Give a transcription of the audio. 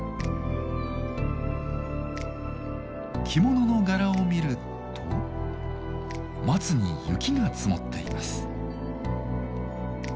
着物の柄を見ると松に雪が積もっています。